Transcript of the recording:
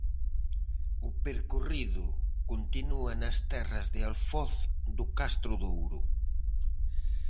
O percorrido continúa nas terras de Alfoz do Castro Douro.